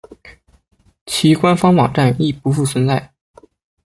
其官方网站亦不复存在。